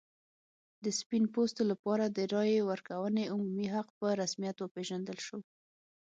د سپین پوستو لپاره د رایې ورکونې عمومي حق په رسمیت وپېژندل شو.